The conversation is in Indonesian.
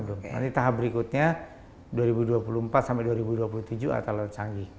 jadi sebesarnya dua ribu dua puluh empat sampai dua ribu dua puluh tujuh alat alat canggih